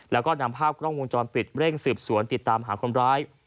แล้วก็นำภาพกล้องวงจรปิดเร่งสืบสวนติดตามหาคนร้าย